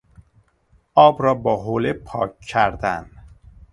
آب را با حوله پاک کردن